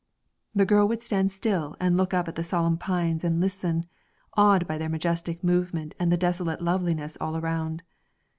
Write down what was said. The girl would stand still and look up at the solemn pines and listen, awed by their majestic movement and the desolate loveliness all around.